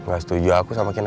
gak setuju aku sama kita